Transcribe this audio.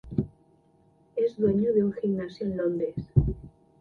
Es dueño de un gimnasio en Londres.